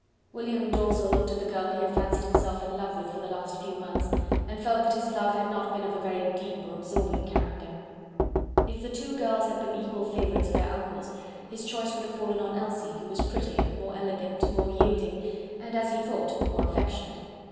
William Dalzell looked at the girl he had fancied himself in love with for the last few months, and felt that his love had not been of a very deep or absorbing character. If the two girls had been equal favourites of their uncle's, his choice would have fallen on Elsie, who was prettier, more elegant, more yielding, and, as he thought, more affectionate.